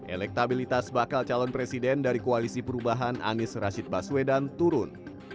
elektabilitas bakal calon presiden dari koalisi perubahan anies rashid baswedan turun